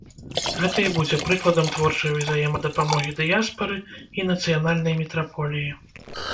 Гэта і будзе прыкладам творчай узаемадапамогі дыяспары і нацыянальнай метраполіі.